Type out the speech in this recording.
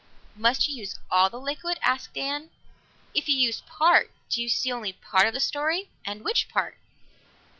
"Must you use all the liquid?" asked Dan. "If you use part, do you see only part of the story? And which part?"